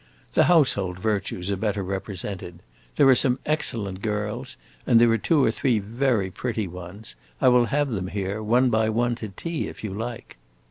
"The household virtues are better represented. There are some excellent girls, and there are two or three very pretty ones. I will have them here, one by one, to tea, if you like."